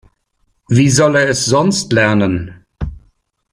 Wie soll er es sonst lernen?